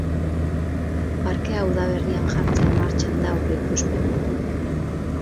Parkea udaberrian jartzea martxan da aurreikuspena.